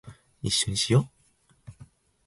一緒にしよ♡